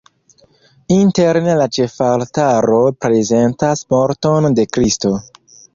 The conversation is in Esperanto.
Interne la ĉefaltaro prezentas morton de Kristo.